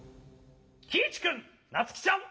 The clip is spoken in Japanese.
きいちくんなつきちゃん！